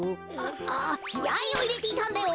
あきあいをいれていたんだよ。